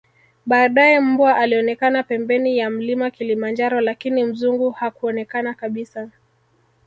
baadae mbwa alionekana pembeni ya mlima kilimanjaro lakini mzungu hakuonekana kabisa